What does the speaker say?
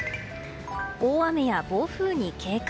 大雨や暴風に警戒。